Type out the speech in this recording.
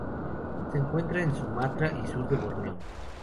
Se encuentra en Sumatra y sur de Borneo.